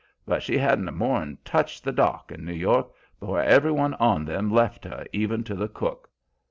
But she hadn't more 'n touched the dock in New York before every one on 'em left her, even to the cook.